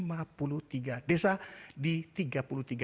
empat ratus tiga puluh empat kabupaten dan kota